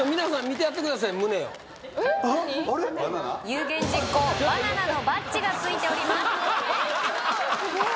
有言実行バナナのバッジが着いておりますええー